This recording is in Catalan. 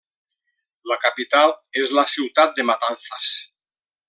La capital és la ciutat de Matanzas.